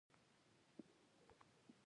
انکسار زاویه بدلوي.